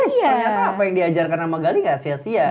ternyata apa yang diajarkan sama gali gak sia sia